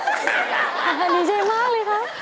ดีใจมากเลยค่ะ